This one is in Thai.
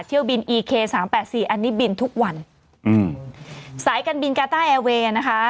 เที่ยวบินอีเคสามแปดสี่อันนี้บินทุกวันอืมสายการบินกาต้าแอร์เวย์นะคะ